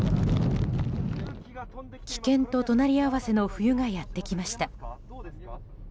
危険と隣り合わせの冬がやってきました。